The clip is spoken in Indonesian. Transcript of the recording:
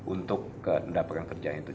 untuk mendapatkan kerjaan itu